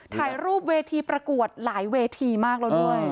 ถ่ายรูปเวทีประกวดหลายเวทีมากแล้วด้วย